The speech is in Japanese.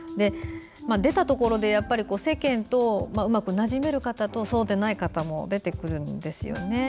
出たところで世間とうまくなじめる方とそうでない方も出てくるんですよね。